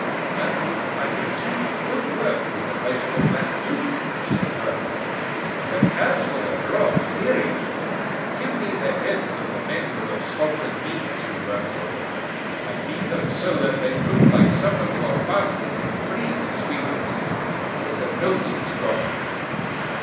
"I think I could do good work with a baseball bat too," said Burns; "but as for the raw material, give me the heads of the men who have sculped me to work on. I'd leave them so that they'd look like some of your Parthenon frieze figures with the noses gone."